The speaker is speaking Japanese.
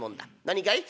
何かい？